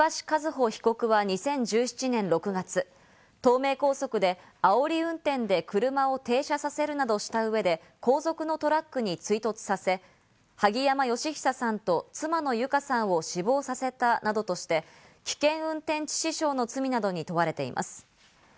和歩被告は２０１７年６月、東名高速であおり運転で車を停車させるなどした上で、後続のトラックに追突させ、萩山嘉久さんと妻の友香さんを死亡させたなどとして、危険運転致死傷の罪などに問われています。